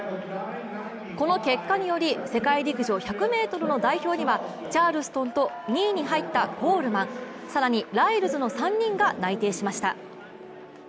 この結果により世界陸上１００ｍの代表にはチャールストンと２位に入ったコールマン更にライルズの３人が内定しました。